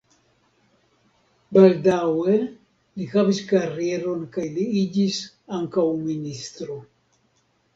Baldaŭe li havis karieron kaj li iĝis ankaŭ ministro.